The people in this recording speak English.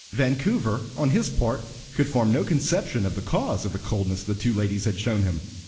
Vancouver on his part could form no conception of the cause of the coldness the two ladies had shown him.